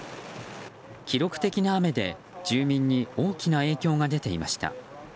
記録的な雨で住民に大きな影響が出ていました。